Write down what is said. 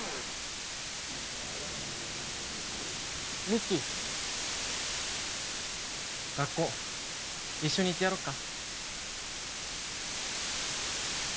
美月学校一緒に行ってやろっか？